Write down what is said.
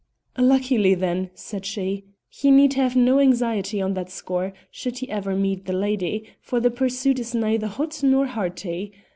"Luckily, then," said she, "he need have no anxiety on that score, should he meet the lady, for the pursuit is neither hot nor hearty.